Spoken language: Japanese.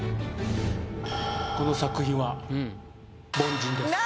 この作品は。